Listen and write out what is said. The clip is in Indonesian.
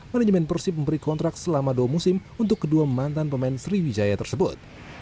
manajemen persib memberi kontrak selama dua musim untuk kedua mantan pemain sriwijaya tersebut